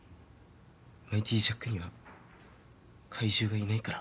マイティジャックには怪獣がいないから。